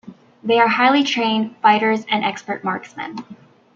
They are highly trained fighters and expert marksmen.